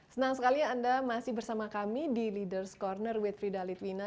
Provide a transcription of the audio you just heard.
senang sekali ya anda masih bersama kami di leaders' corner with frida litwina